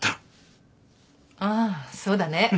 ああそうだね。